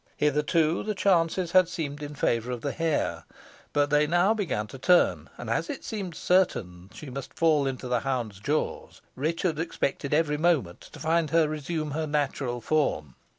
Hitherto the chances had seemed in favour of the hare; but they now began to turn, and as it seemed certain she must fall into the hound's jaws, Richard expected every moment to find her resume her natural form.